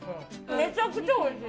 めちゃくちゃおいしい。